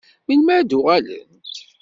Melmi ad d-uɣalent?